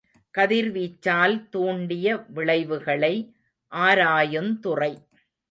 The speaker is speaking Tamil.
கதிர்வீச்சால் தூண்டிய விளைவுகளை ஆராயுந்துறை.